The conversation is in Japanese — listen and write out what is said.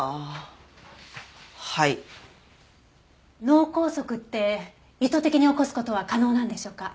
脳梗塞って意図的に起こす事は可能なんでしょうか？